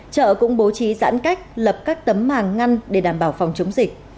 chợ cũng bố trí giãn cách lập các tấm màng ngăn để đảm bảo phòng chống dịch